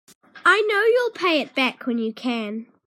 I know you'll pay it back when you can.